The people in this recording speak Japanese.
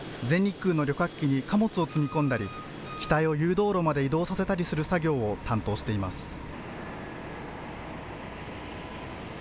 全日空の旅客機に貨物を積み込んだり機体を誘導路まで移動させたりする作業を担当しています。